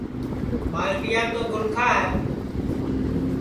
ٻالٹیام تو گُرکھا ہے